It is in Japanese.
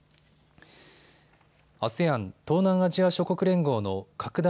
ＡＳＥＡＮ・東南アジア諸国連合の拡大